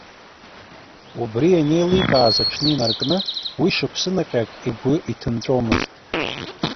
Убри анеиликааз аҽны инаркны, уи шықәсы наҟьак игәы иҭынҵәомызт.